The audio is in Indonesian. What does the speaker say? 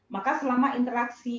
maka selama interaksi